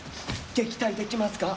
撃退できますか？